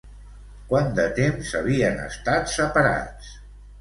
Quant de temps havien estat separats?